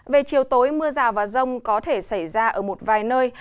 về chiều tối mưa rào và rông có thể xảy ra ở một vài nơi